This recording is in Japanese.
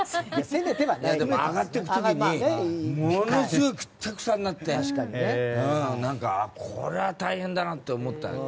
上がっていく時にものすごく、くたくたになってこれは大変だなって思ったよ。